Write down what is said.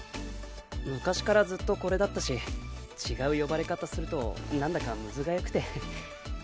昔からずっとこれだったし違う呼ばれ方するとなんだかむずがゆくて。